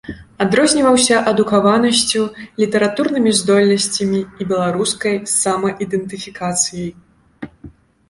Адрозніваўся адукаванасцю, літаратурнымі здольнасцямі і беларускай самаідэнтыфікацыяй.